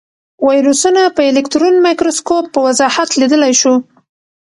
ویروسونه په الکترون مایکروسکوپ په وضاحت لیدلی شو.